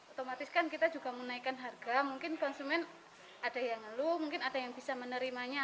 otomatis kan kita juga menaikkan harga mungkin konsumen ada yang ngeluh mungkin ada yang bisa menerimanya